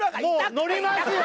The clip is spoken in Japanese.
乗りますよ